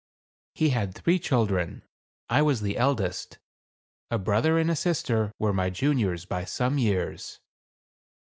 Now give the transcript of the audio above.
He had three children. I was the eldest ; a brother and a sister were my juniors by some years.